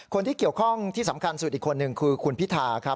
คนที่เกี่ยวข้องที่สำคัญสุดอีกคนหนึ่งคือคุณพิธาครับ